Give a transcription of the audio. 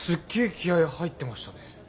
気合い入ってましたね。